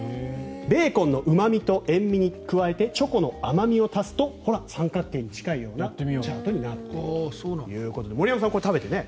ベーコンのうま味と塩味に加えてチョコの甘味を加えるとほら、三角形に近いようなチャートになるということで森山さん、これを食べてね。